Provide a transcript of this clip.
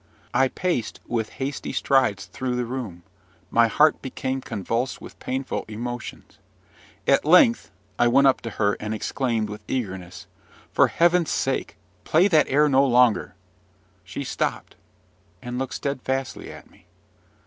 I paced with hasty strides through the room, my heart became convulsed with painful emotions. At length I went up to her, and exclaimed With eagerness, "For Heaven's sake, play that air no longer!" She stopped, and looked steadfastly at me.